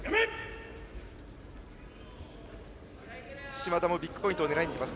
嶋田もビッグポイントを狙いにいきました。